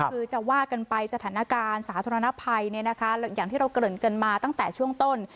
คือจะว่ากันไปสถานการณ์สาธารณภัยอย่างที่เราเกริ่นกันมาตั้งแต่ช่วงต้น